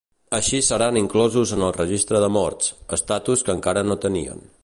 Així seran inclosos en el registre de morts, estatus que encara no tenien.